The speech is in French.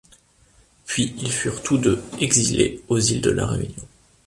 Puis, ils furent tous deux exilés aux îles de la Réunion.